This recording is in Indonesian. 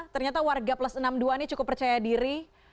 ternyata warga plus enam puluh dua ini cukup percaya diri